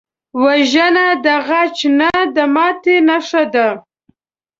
وژنه د غچ نه، د ماتې نښه ده